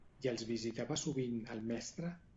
I els visitava sovint, el mestre?